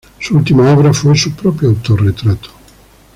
Su última obra fue su propio autorretrato.